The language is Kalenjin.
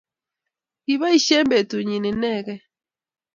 Kopoishe petu nyi inegei